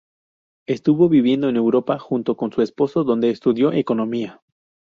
Estuvo viviendo en Europa junto con su esposo, donde estudió Economía.